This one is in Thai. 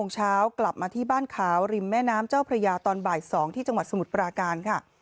กลับมาที่บ้านขาวริมแม่น้ำเจ้าพระยาตอนบ่าย๒ที่จังหวัดสมุทรปราการค่ะ